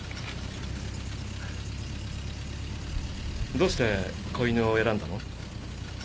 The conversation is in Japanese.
どうして子犬を選んだの？